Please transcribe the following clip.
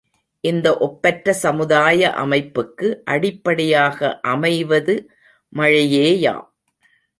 இந்த ஒப்பற்ற சமுதாய அமைப்புக்கு அடிப்படையாக அமைவது மழையேயாம்.